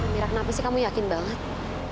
mirip apa sih kamu yakin banget